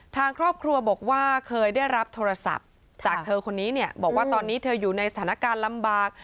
ทางครอบครัวบอกว่าเคยได้รับโทรศัพท์จากเธอคนนี้เนี่ยบอกว่าตอนนี้เธออยู่ในสถานการณ์ลำบาก